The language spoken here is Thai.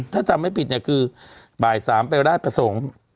ถ้าจำไม่ผิดเนี่ยคือบ่าย๓ไปราชประสงค์